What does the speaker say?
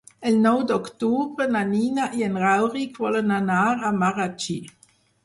El nou d'octubre na Nina i en Rauric volen anar a Marratxí.